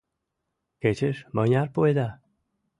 Кечеш мыняр пуэда?